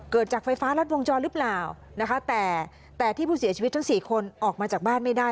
เกิดจากไฟฟ้ารัดวงจรหรือเปล่านะคะแต่แต่ที่ผู้เสียชีวิตทั้งสี่คนออกมาจากบ้านไม่ได้